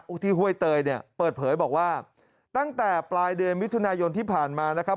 ที่ห้วยเตยเนี่ยเปิดเผยบอกว่าตั้งแต่ปลายเดือนมิถุนายนที่ผ่านมานะครับ